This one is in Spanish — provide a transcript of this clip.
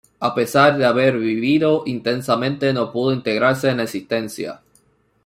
A pesar de haber vivido intensamente, no pudo integrarse en la existencia.